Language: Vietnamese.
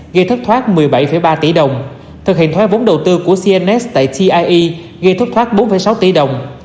gây thất thoát một mươi bảy ba tỷ đồng thực hiện thoái vốn đầu tư của cnns tại tie gây thất thoát bốn sáu tỷ đồng